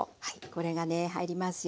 これがね入りますよ。